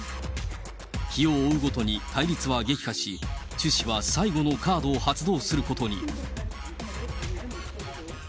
日を追うごとに対立は激化し、チュ氏は最後のカードを発動することに。